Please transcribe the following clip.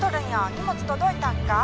荷物届いたんか？